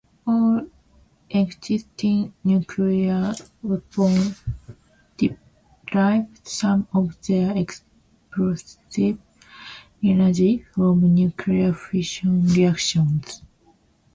All existing nuclear weapons derive some of their explosive energy from nuclear fission reactions.